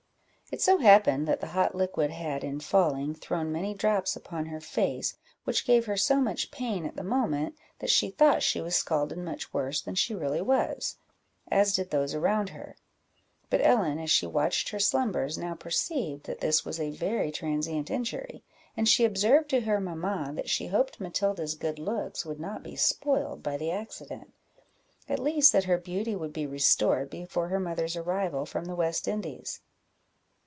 It so happened, that the hot liquid had, in falling, thrown many drops upon her face, which gave her so much pain at the moment, that she thought she was scalded much worse than she really was, as did those around her; but Ellen, as she watched her slumbers, now perceived that this was a very transient injury, and she observed to her mamma, that she hoped Matilda's good looks would not be spoiled by the accident, at least that her beauty would be restored before her mother's arrival from the West Indies.